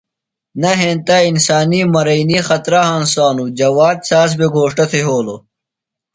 نہ ہینتہ انسانی مرئینی خطرہ ہنسانوۡ۔ جواد ساز بھےۡ گھوݜٹہ تھےۡ یھولوۡ۔